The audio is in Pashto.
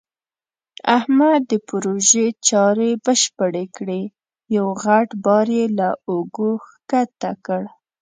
احمد د پروژې چارې بشپړې کړې. یو غټ بار یې له اوږو ښکته کړ.